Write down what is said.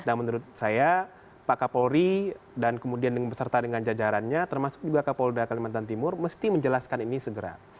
dan menurut saya pak kapolri dan kemudian yang berserta dengan jajarannya termasuk juga kapolda kalimantan timur mesti menjelaskan ini segera